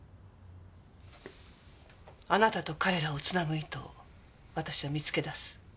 あなたと彼らをつなぐ糸を私は見つけ出す。